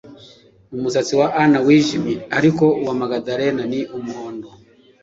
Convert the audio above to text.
Umusatsi wa Anna wijimye ariko uwa Magdalena ni umuhondo